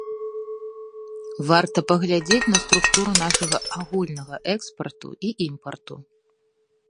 Варта паглядзець на структуру нашага агульнага экспарту і імпарту.